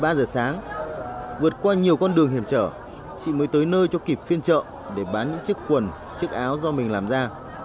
ba giờ sáng vượt qua nhiều con đường hiểm trở chị mới tới nơi cho kịp phiên chợ để bán những chiếc quần chiếc áo do mình làm ra